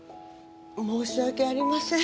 申し訳ありません